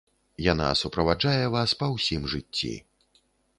Яна суправаджае вас па ўсім жыцці.